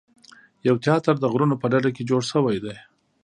یو تیاتر د غرونو په ډډه کې جوړ شوی دی.